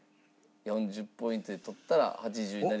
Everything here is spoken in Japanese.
４０ポイントで取ったら８０になります。